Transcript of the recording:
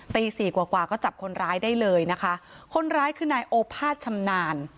ตีสี่กว่ากว่าก็จับคนร้ายได้เลยนะคะคนร้ายคือนายโอภาษชำนาญ